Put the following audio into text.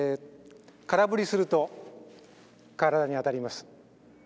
空振りすると体に当たります。